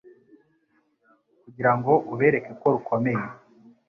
Kugirango ubereke ko rukomeye